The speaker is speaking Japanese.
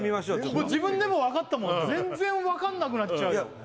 ちょっと自分でも分かったもん全然分かんなくなっちゃうよ